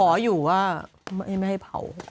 ขออยู่ว่าไม่ให้เผา